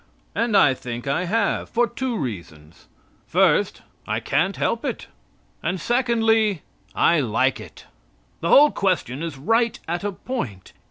And I think I have, for two reasons. First, I can't help it. And secondly, I like it. The whole question is right at a point.